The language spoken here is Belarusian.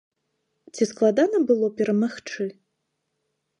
Ці складана было перамагчы?